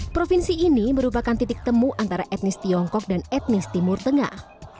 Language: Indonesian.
provinsi ini merupakan titik temu antara etnis tiongkok dan etnis timur tengah